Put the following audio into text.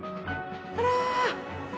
あら！